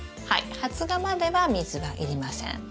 はい発芽までは水はいりません。